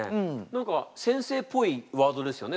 何か先生っぽいワードですよね